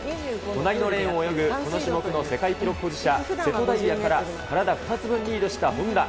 隣のレーンを泳ぐ、この種目の世界記録保持者、瀬戸大也から体２つ分リードした本多。